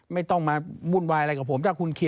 ไม่ต้องมามุ่นวายอะไรกับผม